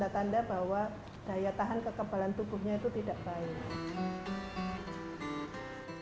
tanda bahwa daya tahan kekebalan tubuhnya itu tidak baik